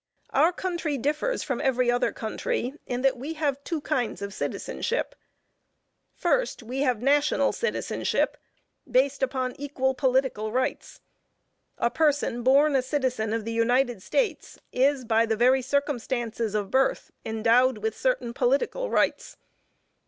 Our country differs from every other country, in that we have two kinds of citizenship. First, we have national citizenship, based upon equal political rights. A person born a citizen of the United States, is, by the very circumstances of birth, endowed with certain political rights.